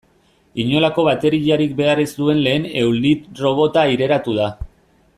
Inolako bateriarik behar ez duen lehen eulirrobota aireratu da.